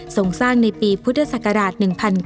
ส่งสร้างในปีพุทธศักราช๑๙